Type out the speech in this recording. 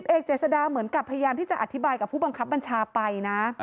เจษดาเหมือนกับพยายามที่จะอธิบายกับผู้บังคับบัญชาไปนะ